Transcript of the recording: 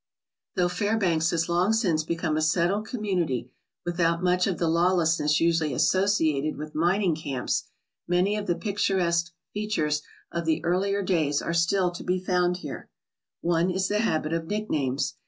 Though Fairbanks has long since become a settled community without much of the lawlessness usually as sociated with mining camps, many of the picturesque features of the earlier days are still to be found here. One 174 AMONG THE OLD TIMERS is the habit of nicknames.